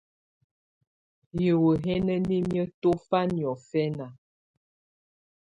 Hiwǝ́ hi ná nimǝ́ tɔ̀fá niɔ̀fɛná.